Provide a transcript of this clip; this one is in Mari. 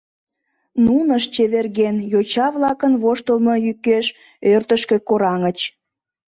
Нунышт, чеверген, йоча-влакын воштылмо йӱкеш ӧрдыжкӧ кораҥыч.